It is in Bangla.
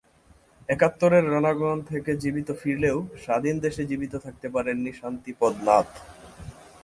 একাত্তরের রণাঙ্গন থেকে জীবিত ফিরলেও স্বাধীন দেশে জীবিত থাকতে পারেননি শান্তিপদ নাথ।